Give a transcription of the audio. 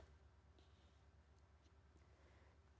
cek mau kena ibu kita barangkali mau kena ibu kita juga